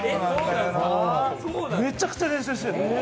めちゃくちゃ練習してる。